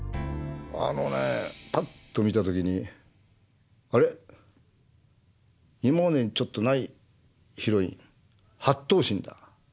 あのねパッと見た時に「あれ？今までにちょっとないヒロイン８等身だ。